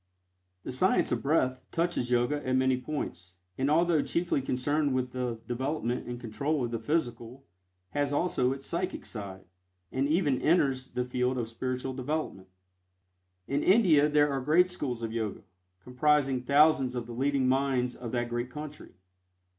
The "Science of Breath" touches Yoga at many points, and although chiefly concerned with the development and control of the physical, has also its psychic side, and even enters the field of spiritual development. In India there are great schools of Yoga, comprising thousands of the leading minds of that great country.